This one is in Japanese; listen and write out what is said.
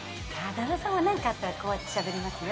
旦那さんは何かあったらこうやってしゃべりますね